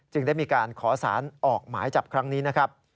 ได้มีการขอสารออกหมายจับครั้งนี้นะครับ